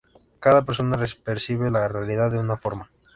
Cada persona percibe la realidad de una forma.